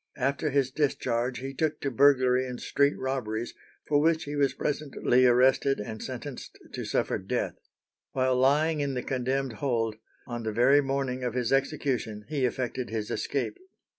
After his discharge he took to burglary and street robberies, for which he was presently arrested and sentenced to suffer death. While lying in the condemned hold, on the very morning of his execution he effected his escape.